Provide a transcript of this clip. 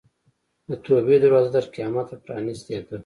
د توبې دروازه تر قیامته پرانستې ده.